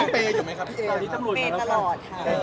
ปื๊กร้วย